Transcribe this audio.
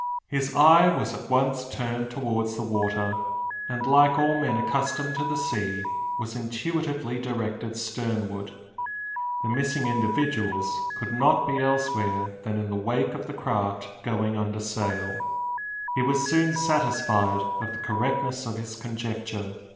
His eye was at once turned towards the water; and, like all men accustomed to the sea, was intuitively directed sternward. The missing individuals could not be elsewhere than in the wake of the craft going under sail. He was soon satisfied of the correctness of his conjecture.